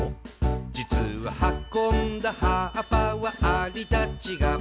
「じつははこんだ葉っぱはアリたちが」